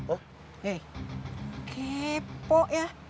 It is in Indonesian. oh eh kepo ya